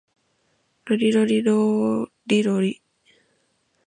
ロリロリローリロリ